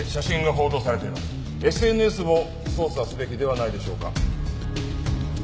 ＳＮＳも捜査すべきではないでしょうか？